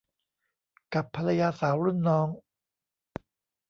กับภรรยาสาวรุ่นน้อง